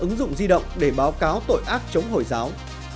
mỹ tung ra ứng dụng di động để báo cáo tội ác chống hồi giáo